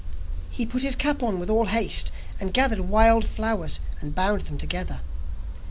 He put his cap on with all haste, and gathered wild field flowers and bound them together.